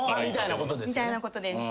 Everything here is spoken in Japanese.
みたいなことですよね。